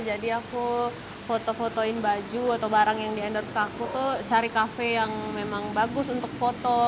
jadi aku foto fotoin baju atau barang yang di endorse ke aku tuh cari kafe yang memang bagus untuk foto